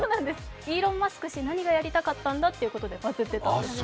イーロン・マスク氏、何がやりたかったんだということでばずっていたんです。